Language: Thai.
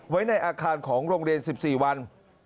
ไว้ในอาคารของโรงเรียน๑๔วัน